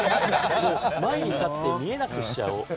前に立って見えなくしちゃおう！